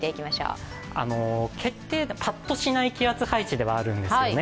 パッとしない気圧配置ではあるんですね。